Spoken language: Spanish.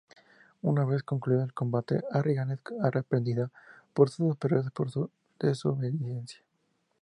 Una vez concluido el combate, Harrigan es reprendido por sus superiores por su desobediencia.